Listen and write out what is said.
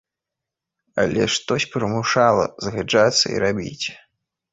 Але штось прымушала згаджацца і рабіць.